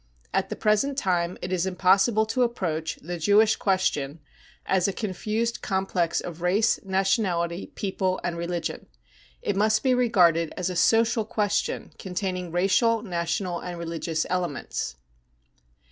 At the present time it is impossible to approach " the Jewish question 55 as a confused complex of race, nationality, people and religion ; it must be regarded as a social question containing racial, national and religious elements.